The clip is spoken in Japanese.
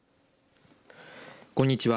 こんにちは。